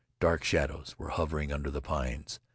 Dark shadows were hovering under the pines.